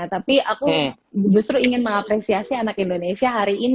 tapi aku justru ingin mengapresiasi anak anak indonesia